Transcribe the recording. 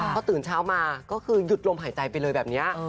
พอตื่นเช้ามาก็คือหยุดลมหายใจไปเลยแบบนี้